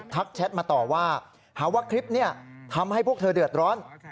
แชทมาต่อว่าหาว่าคลิปนี้ทำให้พวกเธอเดือดร้อน